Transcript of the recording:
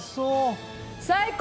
最高！